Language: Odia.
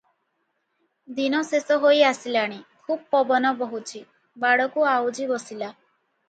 ଦିନ ଶେଷ ହୋଇ ଆସିଲାଣି, ଖୁବ୍ ପବନ ବହୁଛି, ବାଡ଼କୁ ଆଉଜି ବସିଲା ।